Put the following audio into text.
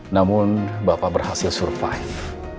namun bapak berhasil survive